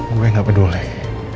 gue gak peduli